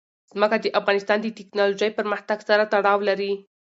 ځمکه د افغانستان د تکنالوژۍ پرمختګ سره تړاو لري.